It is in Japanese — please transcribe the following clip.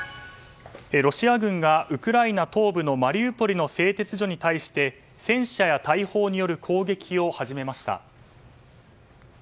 ロシア軍がウクライナ東部のマリウポリの製鉄所に対して戦車や大砲による攻撃を始めました。